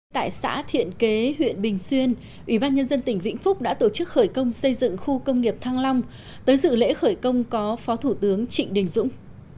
tại xã thiện kế huyện bình xuyên ủy ban nhân dân tỉnh vĩnh phúc đã tổ chức khởi công xây dựng khu công nghiệp thăng long tới dự lễ khởi công có phó thủ tướng trịnh đình dũng